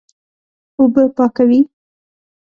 اوبه پاکوي.